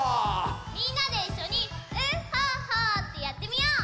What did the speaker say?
みんなでいっしょにウッホッホーってやってみよう。